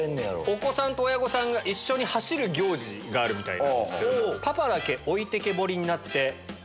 お子さんと親御さんが一緒に走る行事があるみたいなんですけど。